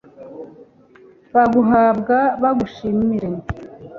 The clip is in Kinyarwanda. baguhabwa bagushimire